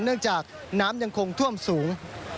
เนื่องจากน้ำยังคงท่วมสูง